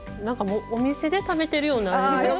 お店で食べてるような味。